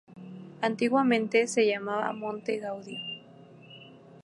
Antiguamente se llamaba Monte Gaudio.